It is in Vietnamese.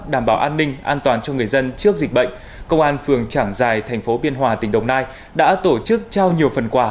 đảm bảo an ninh an toàn cho người dân trước dịch bệnh công an phường trảng giài thành phố biên hòa tỉnh đồng nai đã tổ chức trao nhiều phần quà